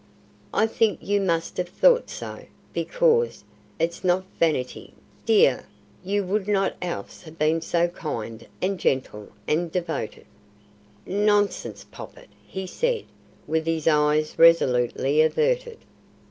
"I think you must have thought so, because it's not vanity, dear you would not else have been so kind, and gentle, and devoted." "Nonsense, Poppet," he said, with his eyes resolutely averted.